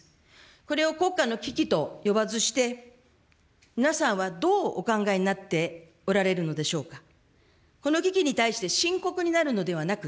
これを国家の危機と呼ばずして、皆さんはどうお考えになっておられるのでしょうか。